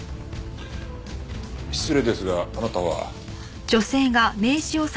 失礼ですがあなたは？